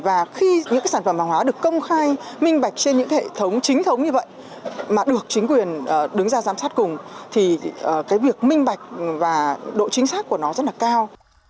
và khi những cái sản phẩm hàng hóa được công khai minh bạch trên những hệ thống chính thống như vậy mà được chính quyền đứng ra giám sát cùng thì cái việc minh bạch và độ chính xác của nó rất là cao